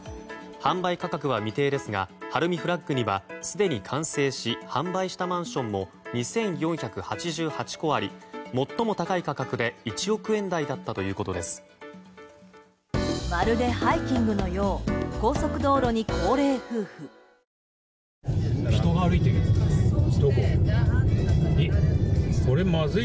販売価格は未定ですがＨＡＲＵＭＩＦＬＡＧにはすでに完成し販売したマンションも２４８８戸あり、最も高い価格で１億円台だったということです。